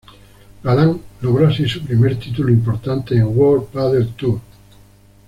Galán logró así su primer título importante en World Padel Tour.